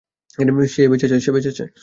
সে বেঁচে আছে?